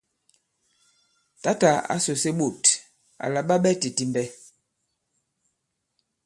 Tǎtà ǎ sùse ɓôt àla ɓa ɓɛ titimbɛ.